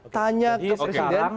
tanya ke presiden soal perpu